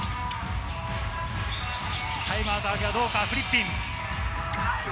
タイムアウト明けはどうか、フリッピン。